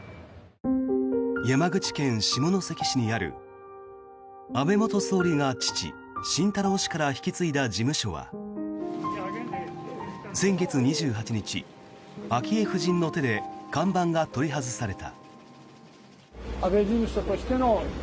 山口県下関市にある安倍元総理が父・晋太郎氏から引き継いだ事務所は先月２８日、昭恵夫人の手で看板が取り外された。